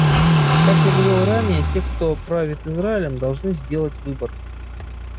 Как я говорил ранее, те, кто правит Израилем, должны сделать выбор.